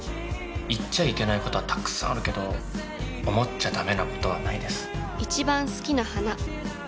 言っちゃいけないことはたくさんあるけど思っちゃダメなことはないです。